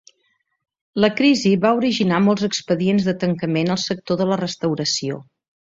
La crisi va originar molts expedients de tancament al sector de la restauració.